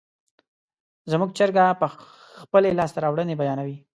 زموږ چرګه خپلې لاسته راوړنې بیانوي.